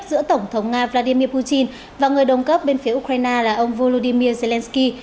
giữa tổng thống nga vladimir putin và người đồng cấp bên phía ukraine là ông volodymyr zelensky